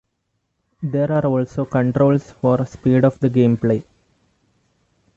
There are also controls for speed of the gameplay.